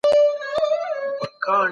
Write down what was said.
ماشومان د نورو مرستې ته اړتیا لري.